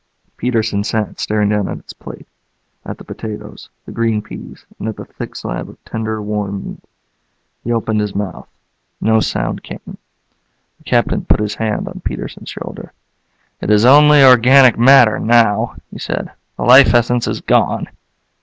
Peterson sat staring down at his plate, at the potatoes, the green peas, and at the thick slab of tender, warm meat. He opened his mouth. No sound came. The Captain put his hand on Peterson's shoulder. "It is only organic matter, now," he said. "The life essence is gone."